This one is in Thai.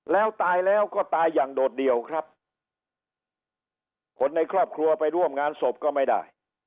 แล้วตายแล้วก็ตายอย่างโดดเดี่ยวครับคนในครอบครัวไปร่วมงานศพก็ไม่ได้